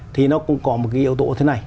thì nó cũng có một cái yếu tố thế này